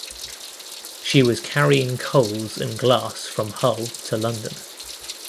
She was carrying coals and glass from Hull to London.